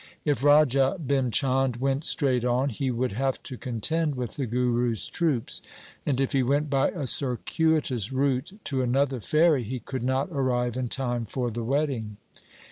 If Raja Bhim Chand went straight on, he would have to contend with the Guru's troops ; and if he went by a circuitous route to another ferry, he could not arrive in time for the wedding.